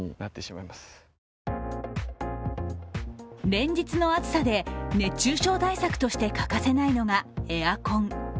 連日の暑さで熱中症対策として欠かせないのがエアコン。